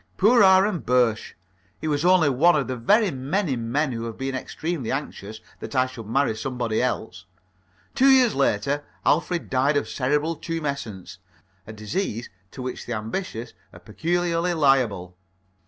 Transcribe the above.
Poor Aaron Birsch! He was only one of the very many men who have been extremely anxious that I should marry somebody else. Two years later Alfred died of cerebral tumescence a disease to which the ambitious are peculiarly liable.